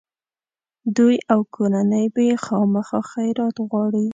دوی او کورنۍ به یې خامخا خیرات غواړي.